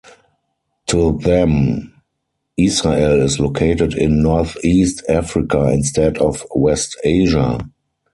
To them, Israel is located in Northeast Africa instead of West Asia.